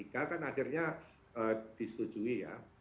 kan akhirnya disetujui ya